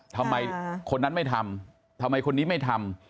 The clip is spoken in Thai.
ทำไมคนนั้นไม่ทำทำไมคนนี้ไม่ทำ